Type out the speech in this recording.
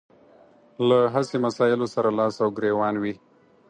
له هسې مسايلو سره لاس او ګرېوان وي.